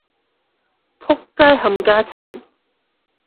僕街冚家鏟